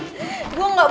gue tuh capek tau gak sih